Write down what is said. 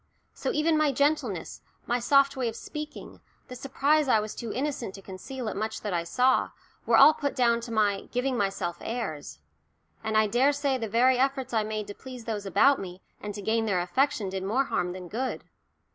So even my gentleness, my soft way of speaking, the surprise I was too innocent to conceal at much that I saw, were all put down to my "giving myself airs." And I daresay the very efforts I made to please those about me and to gain their affection did more harm than good.